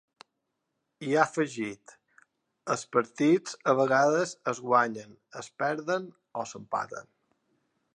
I ha afegit: Els partits a vegades es guanyen, es perden o s’empaten.